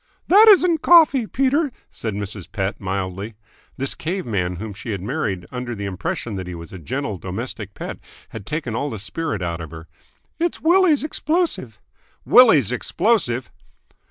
"That isn't coffee, Peter," said Mrs. Pett mildly. This cave man whom she had married under the impression that he was a gentle domestic pet had taken all the spirit out of her. "It's Willie's explosive." "Willie's explosive?"